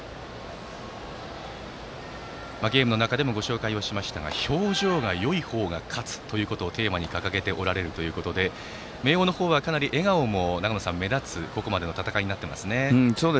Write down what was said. ゲームの中でもご紹介しましたが表情がよいほうが勝つというのをテーマに掲げておられて明桜の方は、かなり笑顔も目立つここまでの戦いになっていますね。